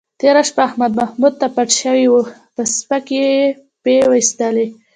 تېره شپه احمد محمود ته پټ شوی و، پسکې یې پې وایستلی.